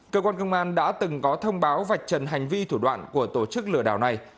cơ quan công an đã từng có thông báo vạch trần hành vi thủ đoạn của tổ chức lừa đảo này